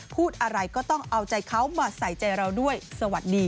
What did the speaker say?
พูดอะไรก็ต้องเอาใจเขามาใส่ใจเราด้วยสวัสดี